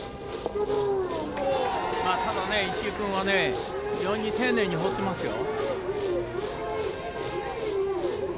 ただ石井君は非常に丁寧に放っていますよ。